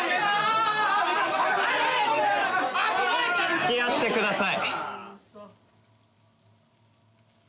・付き合ってください！